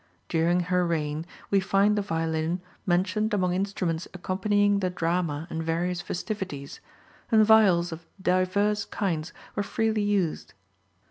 During her reign we find the violin mentioned among instruments accompanying the drama and various festivities, and viols of diverse kinds were freely used.